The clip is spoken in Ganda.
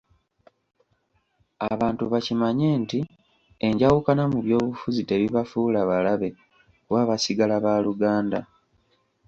Abantu bakimanye nti enjawukana mu byobufuzi tebibafuula balabe kuba basigala baluganda.